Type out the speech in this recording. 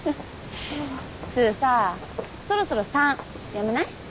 すずさそろそろ「さん」やめない？